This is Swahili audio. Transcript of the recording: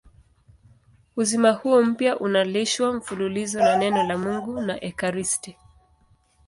Uzima huo mpya unalishwa mfululizo na Neno la Mungu na ekaristi.